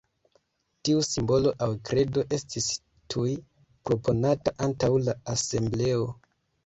Tiu simbolo aŭ kredo estis tuj proponata antaŭ la asembleo.